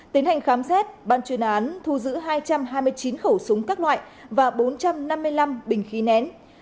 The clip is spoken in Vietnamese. tiến hành khám xét ban chuyên án thu giữ hai trăm hai mươi chín khẩu súng các loại và bốn trăm năm mươi năm bình khí nén